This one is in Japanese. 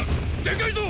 でかいぞ！